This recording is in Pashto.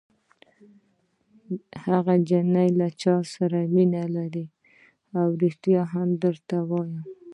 هغه نجلۍ له ما سره مینه لري! ریښتیا درته وایم. هو.